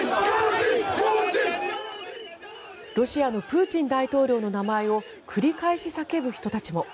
ロシアのプーチン大統領の名前を繰り返し叫ぶ人たちも。